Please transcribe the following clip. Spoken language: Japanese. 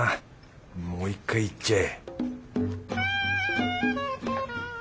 もう１回いっちゃえ